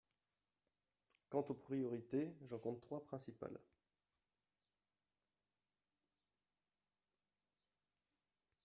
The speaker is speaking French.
Quant aux priorités, j’en compte trois principales.